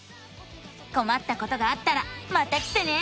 こまったことがあったらまた来てね！